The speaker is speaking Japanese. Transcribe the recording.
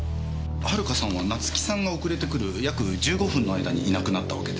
遥さんは夏樹さんが遅れてくる約１５分の間にいなくなったわけですか？